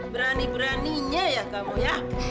berani beraninya ya kamu ya